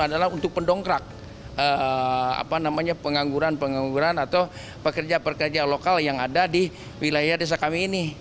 adalah untuk pendongkrak pengangguran pengangguran atau pekerja pekerja lokal yang ada di wilayah desa kami ini